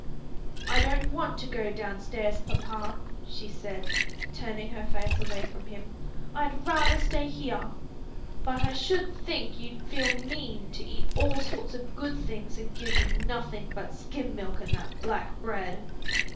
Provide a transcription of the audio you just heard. "I don't want to go downstairs, papa," she said, turning her face away from him. "I'd rather stay here. But I should think you'd feel mean to eat all sorts of good things and give me nothing but skim milk and that black bread."